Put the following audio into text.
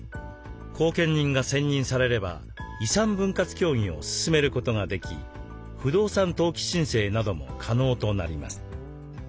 後見人が選任されれば遺産分割協議を進めることができ不動産登記申請なども可能となります。